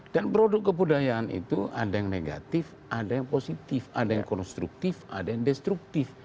dan produk kebudayaan itu ada yang negatif ada yang positif ada yang konstruktif ada yang destruktif